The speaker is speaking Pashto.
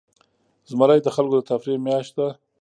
زمری د خلکو د تفریح میاشت ده.